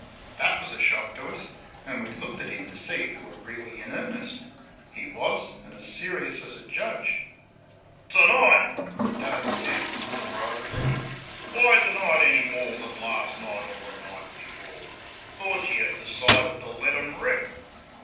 That was a shock to us, and we looked at him to see if he were really in earnest. He was, and as serious as a judge. "TO NIGHT!" Dave answered, surprisedly "why to night any more than last night or the night before? Thought you had decided to let them rip?"